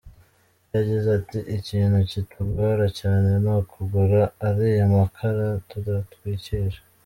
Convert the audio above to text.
Yagize ati “Ikintu kitugora cyane ni ukugura ariya makara dutwikisha.